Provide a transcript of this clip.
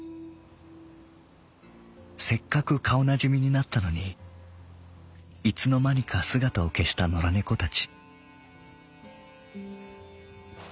せっかく顔なじみになったのにいつのまにか姿を消した野良猫たち」。